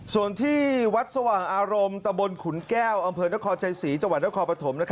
ส่วนที่วัดสว่างอารมณ์ตะบนขุนแก้วอำเภอนครใจศรีจังหวัดนครปฐม